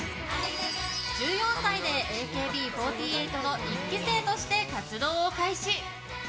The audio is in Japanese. １４歳でＡＫＢ４８の１期生として活動を開始。